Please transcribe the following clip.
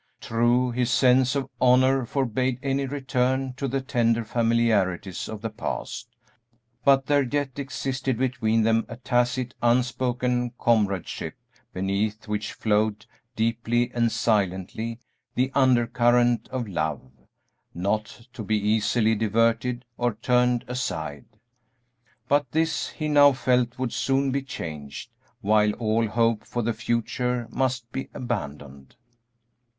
True, his sense of honor forbade any return to the tender familiarities of the past, but there yet existed between them a tacit, unspoken comradeship, beneath which flowed, deeply and silently, the undercurrent of love, not to be easily diverted or turned aside. But this he now felt would soon be changed, while all hope for the future must be abandoned.